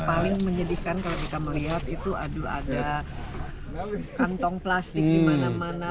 itu paling menyedihkan kalau kita melihat itu aduh ada kantong plastik dimana mana